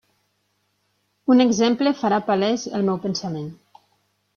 Un exemple farà palès el meu pensament.